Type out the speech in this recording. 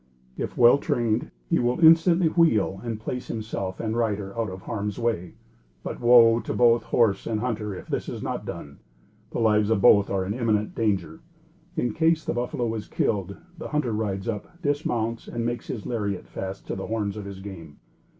If well trained, he will instantly wheel and place himself and rider out of harm's way; but, woe to both horse and hunter if this is not done. The lives of both are in imminent danger. In case the buffalo is killed, the hunter rides up, dismounts and makes his lariet fast to the horns of his game.